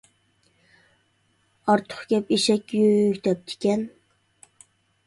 «ئارتۇق گەپ ئېشەككە يۈك» دەپتىكەن.